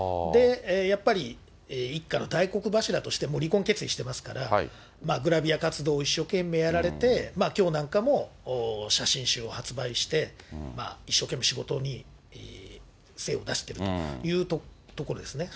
やっぱり一家の大黒柱として、もう離婚決意してますから、グラビア活動を一生懸命やられて、きょうなんかも、写真集を発売して、一生懸命仕事に精を出しているというところですね。